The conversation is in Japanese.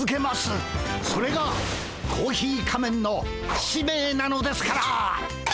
それがコーヒー仮面の使命なのですから！